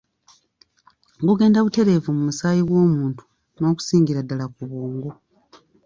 Gugenda butereevu mu musaayi gw'omuntu n'okusingira ddala ku bwongo.